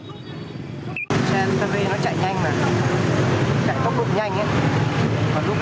xe santa fe chạy nhanh chạy tốc độ nhanh